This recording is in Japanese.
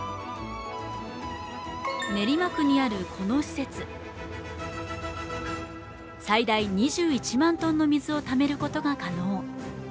練馬区にあるこの施設、最大２１万トンの水をためることが可能。